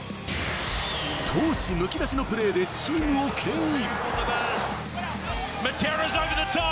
闘志むき出しのプレーでチームをけん引。